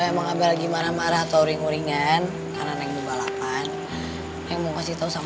papa ngapain masuk mobil sama perempuan itu ya